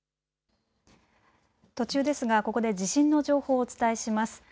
途中ですがここで地震の情報をお伝えします。